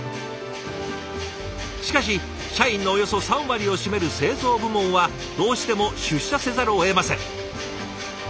しかし社員のおよそ３割を占める製造部門はどうしても出社せざるをえません。